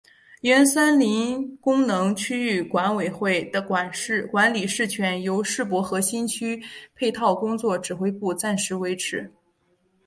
原三林功能区域管委会的管理事权由世博核心区配套工作指挥部暂时维持。